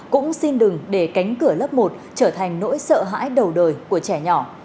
cũng xin đừng để cánh cửa lớp một trở thành nỗi sợ hãi đầu đời của trẻ nhỏ